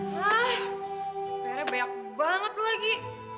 hah pr nya banyak banget lagi